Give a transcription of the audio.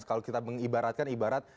kalau kita mengibaratkan ibarat